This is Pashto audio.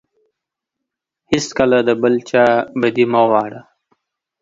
هیڅکله د بل چا بدي مه غواړه.